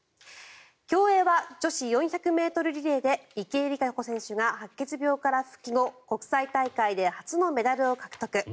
競泳は女子４００ｍメドレーリレーで池江璃花子選手が白血病から復帰後国際大会で初のメダルを獲得。